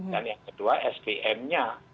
dan yang kedua sdm nya